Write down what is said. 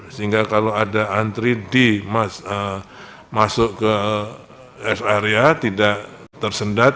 sehingga kalau ada antri masuk ke rest area tidak tersendat